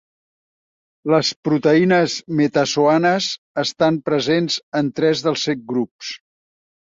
Les proteïnes metazoanes estan presents en tres dels set grups.